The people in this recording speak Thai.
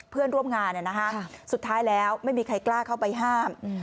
เพื่อนร่วมงานสุดท้ายแล้วไม่มีใครกล้าเข้าไปห้าม